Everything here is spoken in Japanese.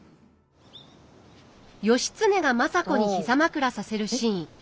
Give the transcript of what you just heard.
義経が政子に膝枕させるシーン。